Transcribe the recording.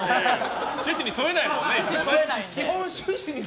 趣旨に添えないもんね。